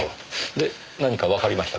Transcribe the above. で何かわかりましたか？